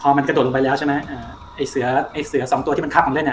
พอมันกระโดดลงไปแล้วใช่ไหมอ่าไอ้เสือไอ้เสือสองตัวที่มันทับกันเล่นอ่ะ